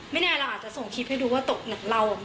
แน่เราอาจจะส่งคลิปให้ดูว่าตกหนักเรา